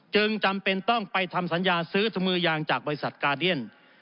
จำเป็นต้องไปทำสัญญาซื้อมือยางจากบริษัทกาเดียน